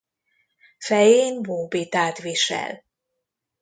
Fején bóbitát visel.